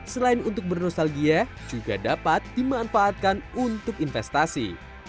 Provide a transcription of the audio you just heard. selain untuk bernostalgia juga dapat dimanfaatkan untuk investasi